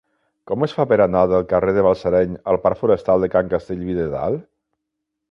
Com es fa per anar del carrer de Balsareny al parc Forestal de Can Castellví de Dalt?